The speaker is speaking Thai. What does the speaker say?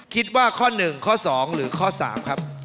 คิดว่าข้อ๑ข้อ๒หรือข้อ๓ครับ